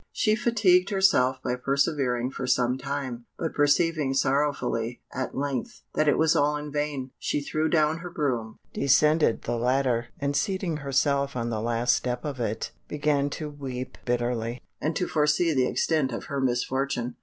She fatigued herself by persevering for some time, but perceiving sorrowfully, at length, that it was all in vain, she threw down her broom, descended the ladder, and seating herself on the last step of it, began to weep bitterly, and to foresee the extent of her misfortune.